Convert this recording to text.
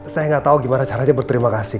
saya nggak tahu gimana caranya berterima kasih